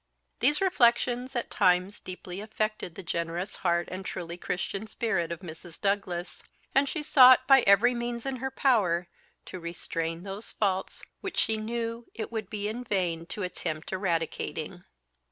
These reflections at times deeply affected the generous heart and truly Christian spirit of Mrs. Douglas; and she sought, by every means in her power, to restrain those faults which she knew it would be vain to attempt eradicating.